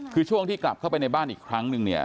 คือช่วงที่กลับเข้าไปในบ้านอีกครั้งนึงเนี่ย